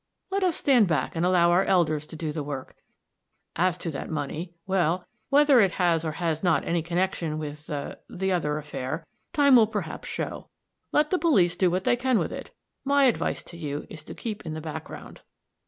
Let us stand back and allow our elders to do the work. As to that money, whether it has or has not any connection with the the other affair, time will perhaps show. Let the police do what they can with it my advice to you is to keep in the background."